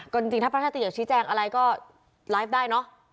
ก็จริงถ้าพระธาตุติอยากชี้แจงอะไรก็ไลฟ์ได้เนอะ